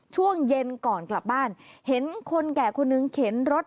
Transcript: ช่วงเย็นก่อนกลับบ้านเห็นคนแก่คนหนึ่งเข็นรถ